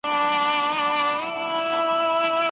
مڼې ته سيب هم ويل کېږي .